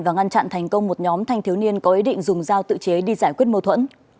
và ngăn chặn thành công một nhóm thanh thiếu niên có ý định dùng dao tự chế đi giải quyết mâu thuẫn